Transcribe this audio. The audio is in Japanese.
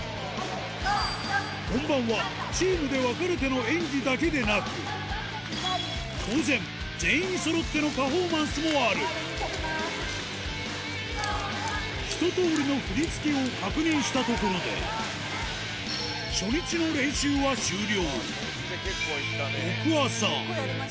本番はチームで分かれての演技だけでなく当然全員そろってのパフォーマンスもある一通りの振り付けを確認したところで初日の練習は終了正月らしく